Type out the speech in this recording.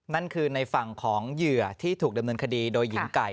นั่นคือในฝั่งของเหยื่อที่ถูกดำเนินคดีโดยหญิงไก่